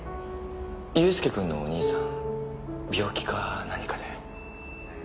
祐介くんのお兄さん病気か何かで？